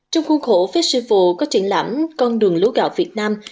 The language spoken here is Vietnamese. trong khuôn khổ festival có triển lãm con đường lúa gạo việt nam